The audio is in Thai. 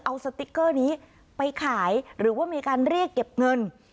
เอาสติ๊กเกอร์นี้ไปขายหรือว่ามีการเรียกเก็บเงิน